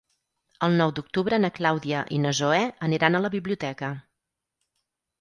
El nou d'octubre na Clàudia i na Zoè aniran a la biblioteca.